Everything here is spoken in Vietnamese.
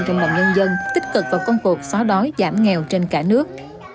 trong lòng nhân dân tích cực vào công cuộc xóa đói giảm nghèo trên cả nước